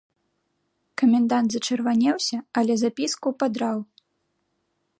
Камендант зачырванеўся, але запіску падраў.